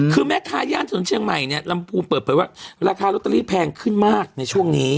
ดูแม้ค้าย่านสนุนเชียงใหม่ลำบูมเปิดไปว่าราคารอเตอรี่แพงขึ้นมากในช่วงนี้